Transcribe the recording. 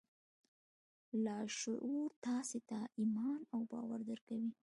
لاشعور تاسې ته ایمان او باور درکوي